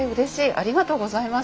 ありがとうございます。